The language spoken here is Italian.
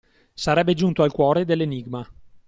Sarebbe giunto al cuore dell’enigma.